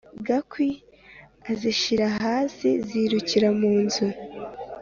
gakwi azishira hasi zirukira mu nzu